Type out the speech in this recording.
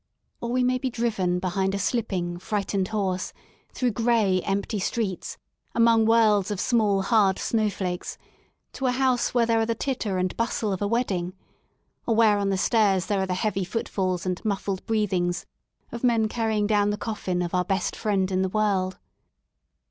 Or we may be driven behind a slipping, frightened horse through gray empty streets, among whirls of small hard snowflakes, to a house where there are the titter and bustle of a wedding, or where on the stairs there are the heavy footfalls and muffled breathings of men carrying down the coffin of our best friend in the world.